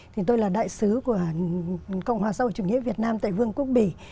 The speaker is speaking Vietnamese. thì tôi là đại sứ của cộng hòa xã hội chủ nghĩa việt nam tại vương quốc bỉ